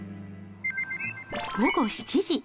午後７時。